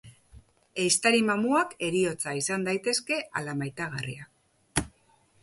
Ehiztari-mamuak heriotza izan daitezke ala maitagarriak.